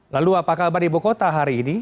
lalu apa kabar di bukota hari ini